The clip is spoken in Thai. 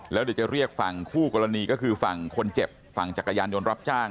แล้วเดี๋ยวจะเรียกฝั่งคู่กรณีก็คือฝั่งคนเจ็บฝั่งจักรยานยนต์รับจ้าง